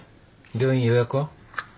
病院予約は？